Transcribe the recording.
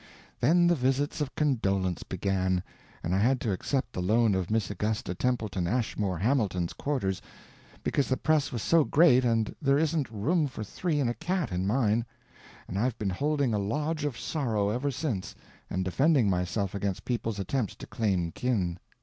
Then the visits of condolence began, and I had to accept the loan of Miss Augusta Templeton Ashmore Hamilton's quarters because the press was so great and there isn't room for three and a cat in mine. And I've been holding a Lodge of Sorrow ever since and defending myself against people's attempts to claim kin.